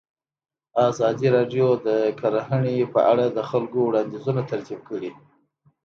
ازادي راډیو د کرهنه په اړه د خلکو وړاندیزونه ترتیب کړي.